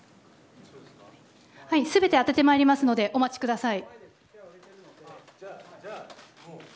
全て当ててまいりますのでお待ちください。